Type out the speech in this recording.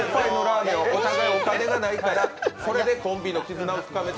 お互いお金がないからそれでコンビの絆を深めた。